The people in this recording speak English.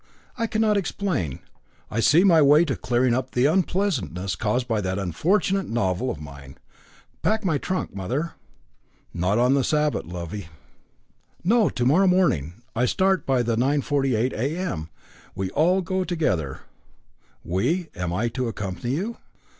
"I cannot explain. I see my way to clearing up the unpleasantness caused by that unfortunate novel of mine. Pack my trunk, mother." "Not on the Sabbath, lovie." "No to morrow morning. I start by the 9.48 a.m. We all go together." "We am I to accompany you?"